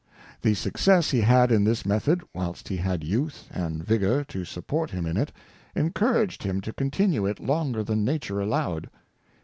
The Success he had in this Method, whilst he had Youth and Vigour to support him in it, encouraged him to continue it longer than Nature allowed.